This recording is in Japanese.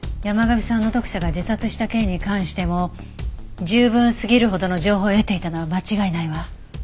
山神さんの読者が自殺した件に関しても十分すぎるほどの情報を得ていたのは間違いないわ。